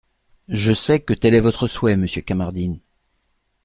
Je sais que tel est votre souhait, monsieur Kamardine.